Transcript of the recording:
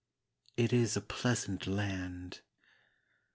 ... It is a pleasant land.